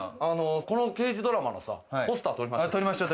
この刑事ドラマのポスターを撮りましょう。